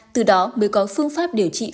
từ đó mới có phương pháp điều trị phù hợp